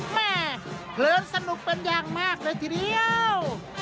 แม่เพลินสนุกเป็นอย่างมากเลยทีเดียว